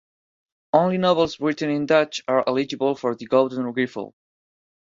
Only novels written in Dutch are eligible for the "gouden griffel".